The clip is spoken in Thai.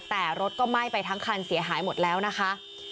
แต่รถก็ไหม้ไปทั้งคันเสียหายหมดแล้วนะคะ